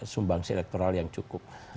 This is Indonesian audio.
sumbangsi elektoral yang cukup